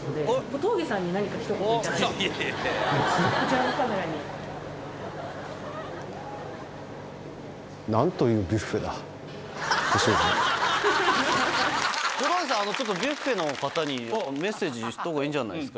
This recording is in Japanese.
小峠さんあのビュッフェの方にメッセージしたほうがいいんじゃ。